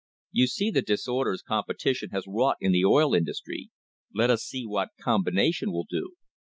You see the disorders competition has wrought in the oil industry. Let us see what combination will do.